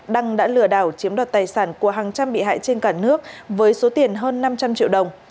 đăng đã lừa đảo chiếm đoạt tài sản của hàng trăm bị hại trên cả nước với số tiền hơn năm trăm linh triệu đồng